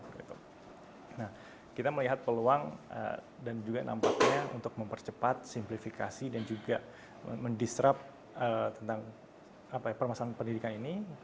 nah kita melihat peluang dan juga nampaknya untuk mempercepat simplifikasi dan juga mendisrup tentang permasalahan pendidikan ini